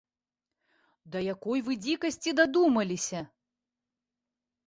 Да якой вы дзікасці дадумаліся!